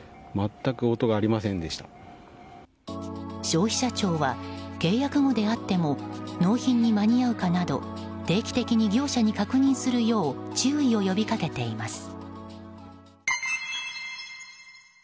消費者庁は、契約後であっても納品に間に合うかなど定期的に業者に確認するよう注意を呼びかけています。